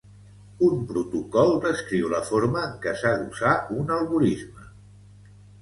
Un protocol descriu la forma en què s'ha d'usar un algorisme.